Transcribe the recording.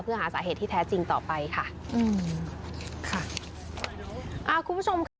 เพื่อหาสาเหตุที่แท้จริงต่อไปค่ะอืมค่ะอ่าคุณผู้ชมค่ะ